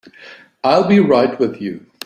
I'll be right with you.